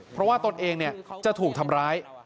เพราะว่าตนเองจะถูกทำร้าย